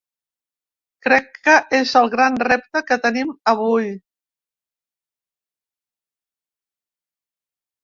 Crec que és el gran repte que tenim avui.